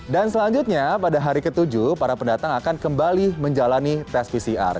dan selanjutnya pada hari ke tujuh para pendatang akan kembali menjalani tes pcr